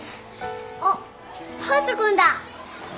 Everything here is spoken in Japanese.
あっ隼人君だ。